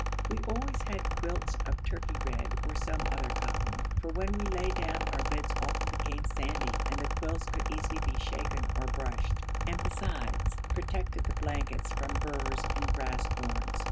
We always had quilts of turkey red or some other cotton, for when we lay down our beds often became sandy, and the quilts could easily be shaken or brushed, and besides protected the blankets from burrs and grass thorns.